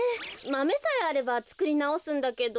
マメさえあればつくりなおすんだけど。